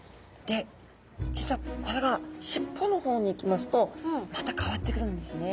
で実はこれがしっぽの方にいきますとまた変わってくるんですね。